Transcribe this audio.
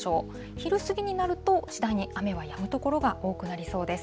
昼過ぎになると、次第に雨はやむ所が多くなりそうです。